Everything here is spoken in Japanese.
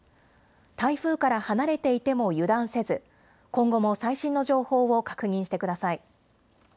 台風から離れていても油断せず、今後も最新の情報を確認してください。